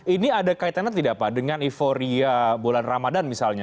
ini ada kaitannya tidak pak dengan euforia bulan ramadan misalnya